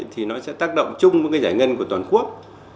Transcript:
thì nó sẽ tác động chung với cái giải ngân của toàn quốc